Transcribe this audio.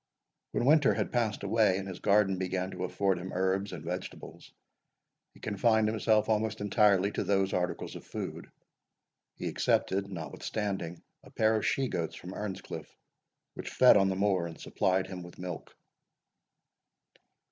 When winter had passed away, and his garden began to afford him herbs and vegetables, he confined himself almost entirely to those articles of food. He accepted, notwithstanding, a pair of she goats from Earnscliff, which fed on the moor, and supplied him with milk.